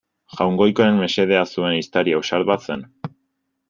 Jaungoikoaren mesedea zuen ehiztari ausart bat zen.